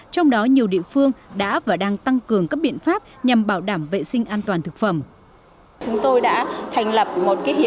trong đó nhiều địa phương đã và đang tăng cường các biện pháp nhằm bảo đảm vệ sinh an toàn thực phẩm